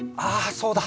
そうだ！